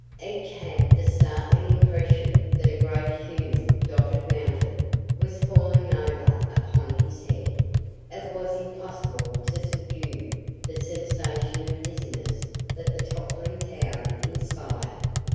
Each had the startling impression that a great human dotted mountain was falling over upon his head; it was impossible to subdue the sensation of dizziness that the toppling town inspired.